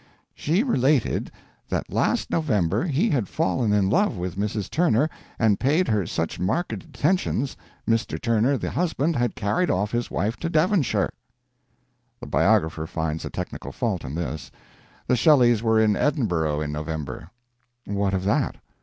"She related that last November he had fallen in love with Mrs. Turner and paid her such marked attentions Mr. Turner, the husband, had carried off his wife to Devonshire." The biographer finds a technical fault in this; "the Shelleys were in Edinburgh in November." What of that?